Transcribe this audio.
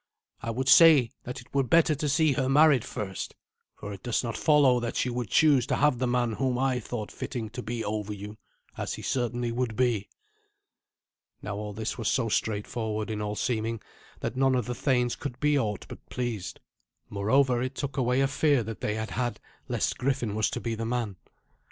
I would say that it were better to see her married first, for it does not follow that you would choose to have the man whom I thought fitting to be over you, as he certainly would be." Now all this was so straightforward in all seeming that none of the thanes could be aught but pleased. Moreover, it took away a fear that they had had lest Griffin was to be the man.